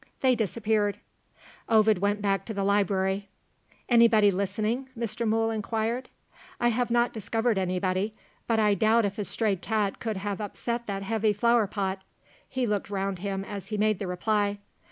They disappeared. Ovid went back to the library. "Anybody listening?" Mr. Mool inquired. "I have not discovered anybody, but I doubt if a stray cat could have upset that heavy flower pot." He looked round him as he made the reply.